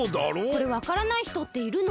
これわからないひとっているの？